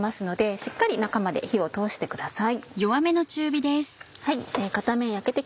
しっかり中まで火を通してください。